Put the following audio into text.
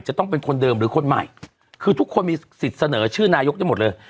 จะต้องเป็นคนเดิมหรือคนใหม่คือทุกคนมีสิทธิ์เสนอชื่อนายกได้หมดเลย